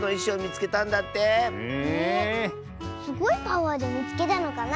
すごいパワーでみつけたのかな。